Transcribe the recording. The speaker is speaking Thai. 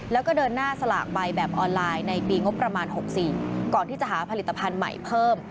แล้วก็เดินหน้าสลากใบแบบออนไลน์ในปีงบประมาณ๖๔ก่อนที่จะหาผลิตภัณฑ์ใหม่เพิ่ม